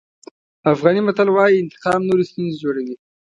افغاني متل وایي انتقام نورې ستونزې جوړوي.